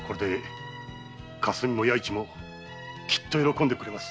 かすみも弥市もきっと喜んでくれます。